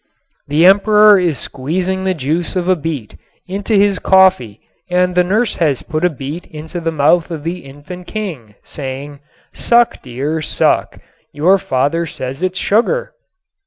The Emperor is squeezing the juice of a beet into his coffee and the nurse has put a beet into the mouth of the infant King, saying: "Suck, dear, suck. Your father says it's sugar."